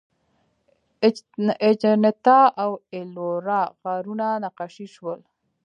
اجنتا او ایلورا غارونه نقاشي شول.